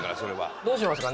どうしますかね？